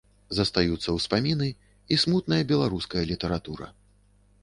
Застаюцца ўспаміны і смутная беларуская літаратура.